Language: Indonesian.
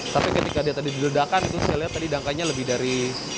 tapi ketika dia tadi diledakan itu saya lihat tadi dangkanya lebih dari